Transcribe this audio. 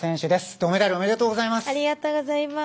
銅メダルおめでとうございます。